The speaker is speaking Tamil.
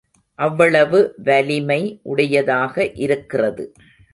அவ்வளவு வலிமை உடையதாக இருக்கிறது.